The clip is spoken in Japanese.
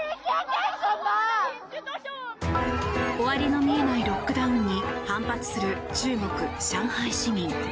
終わりの見えないロックダウンに反発する中国・上海市民。